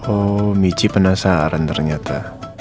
oh michi penasaran ternyata